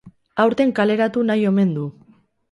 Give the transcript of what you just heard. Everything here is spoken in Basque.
Aurten kaleratu nahi omen du.